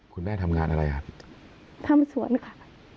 คุณแม่ทำงานอะไรอ่ะทำสวนค่ะ